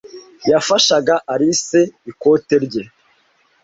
yafashaga Alice ikote rye.